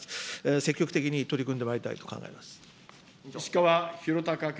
積極的に取り組んでまいりたいと石川博崇君。